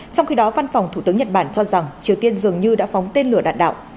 trong khi đó văn phòng thủ tướng nhật bản cho rằng triều tiên dường như đã phóng tên lửa đạn đạo